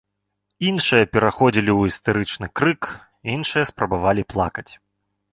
Іншыя пераходзілі ў істэрычны крык, іншыя спрабавалі плакаць.